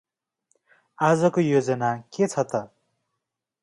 आजको योजना के छ त?